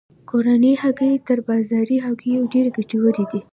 کورنۍ هګۍ تر بازاري هګیو ډیرې ګټورې دي.